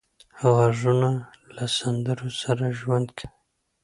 غوږونه له سندرو سره ژوند کوي